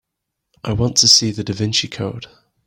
I want to see The Da Vinci Code